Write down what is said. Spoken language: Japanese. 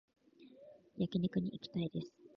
焼肉に行きたいです